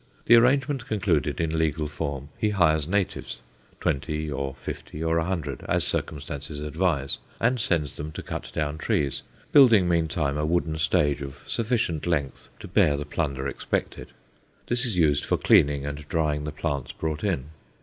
The arrangement concluded in legal form, he hires natives, twenty or fifty or a hundred, as circumstances advise, and sends them to cut down trees, building meantime a wooden stage of sufficient length to bear the plunder expected. This is used for cleaning and drying the plants brought in.